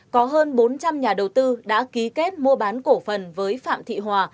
có hơn bốn trăm linh nhà đầu tư đã ký kết mua bán cổ phần với phạm thị hòa